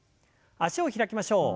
脚を開きましょう。